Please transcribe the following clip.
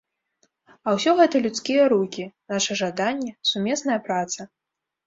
А ўсё гэта людскія рукі, наша жаданне, сумесная праца.